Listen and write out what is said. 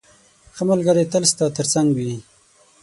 ښه ملګری تل ستا تر څنګ وي.